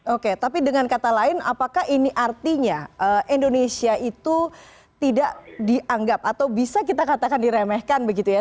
oke tapi dengan kata lain apakah ini artinya indonesia itu tidak dianggap atau bisa kita katakan diremehkan begitu ya